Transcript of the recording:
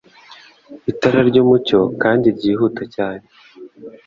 Itara ryumucyo kandi ryihuta cyane